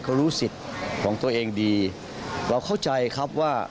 เขารู้สิทธิ์ของตัวเองดีเราเข้าใจครับว่า